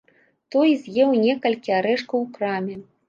Той з'еў некалькі арэшкаў у краме.